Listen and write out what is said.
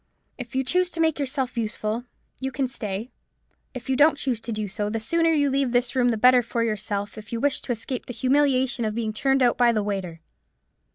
If you choose to make yourself useful, you can stay: if you don't choose to do so, the sooner you leave this room the better for yourself, if you wish to escape the humiliation of being turned out by the waiter."